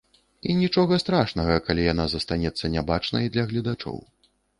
І нічога страшнага, калі яна застанецца нябачнай для гледачоў.